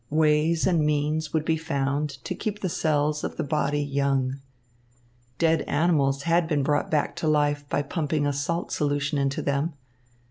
Ways and means would be found to keep the cells of the body young. Dead animals had been brought back to life by pumping a salt solution into them.